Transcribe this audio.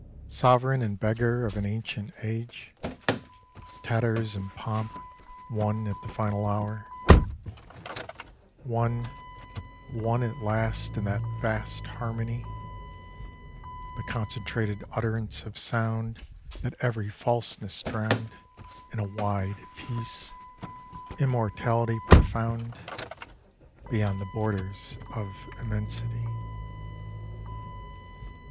Sovereign and beggar of an ancient age, Tatters and pomp one at the final hour — One, one at last in that vast harmony, The concentrated utterance of sound That every falseness drowned In a wide peace, Immortally profound, Beyond the borders of Immensity.